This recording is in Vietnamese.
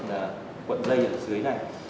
cái cuộn dây ở dưới này